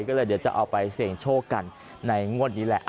ก็เลยเดี๋ยวจะเอาไปเสี่ยงโชคกันในงวดนี้แหละ